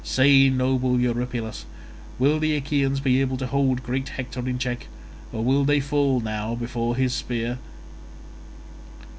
Say, noble Eurypylus, will the Achaeans be able to hold great Hector in check, or will they fall now before his spear?"